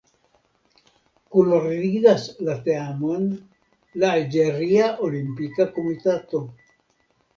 Kunordigas la teamon la Alĝeria Olimpika Komitato.